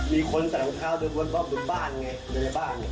มีคนต่างกับข้าวดึงวนบ้านไงดังในบ้าน